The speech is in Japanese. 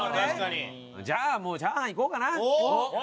じゃあもうチャーハンいこうかな。